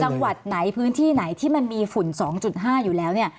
จังหวัดไหนพื้นที่ไหนที่มันมีฝุ่น๒๕อยู่แล้วเนี่ย